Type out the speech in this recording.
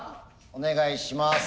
お願いします。